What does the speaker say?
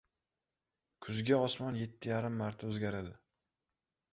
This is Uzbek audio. • Kuzgi osmon yetti yarim marta o‘zgaradi.